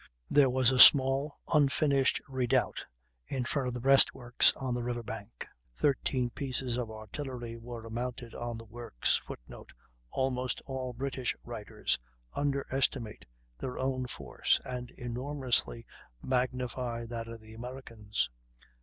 There was a small, unfinished redoubt in front of the breastworks on the river bank. Thirteen pieces of artillery were mounted on the works. [Footnote: Almost all British writers underestimate their own force and enormously magnify that of the Americans.